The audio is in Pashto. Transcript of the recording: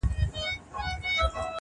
کرۍ شپه به وه پرانیستي دوکانونه-